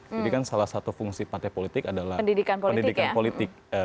jadi kan salah satu fungsi partai politik adalah pendidikan politik